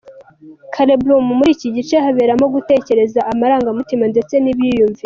Cerebrum: muri iki gice haberamo gutekereza, amarangamutima ndetse n’ibyiyumviro.